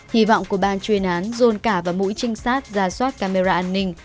hy vọng của ban chuyên án dồn cả và mũi trinh sát ra soát camera an ninh